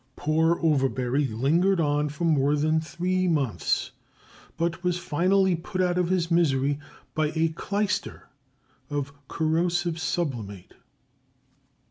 Poor Overbury lingered on for more than three months, but was finally put out of his misery by a clyster of corrosive sublimate.